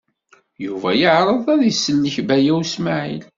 Yuba yeɛreḍ ad isellek Baya U Smaɛil.